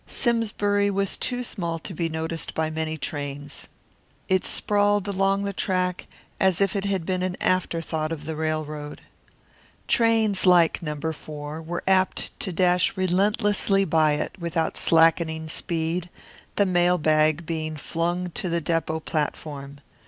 Simsbury was too small to be noticed by many trains. It sprawled along the track as if it had been an afterthought of the railroad. Trains like No. 4 were apt to dash relentlessly by it without slackening speed, the mail bag being flung to the depot platform.